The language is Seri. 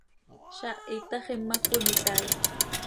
Zaah iitax imac cöimitai.